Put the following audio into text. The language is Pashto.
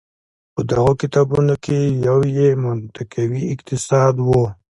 په دغو کتابونو کې یو یې منطقوي اقتصاد و.